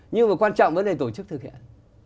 nhưng mà quan trọng vấn đề tổ chức thực hiện